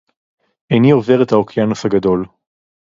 איני עובר את האוקיינוס הגדול.